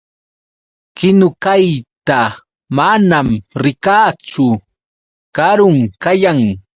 Kinukayta manam rikaachu. Karun kayan.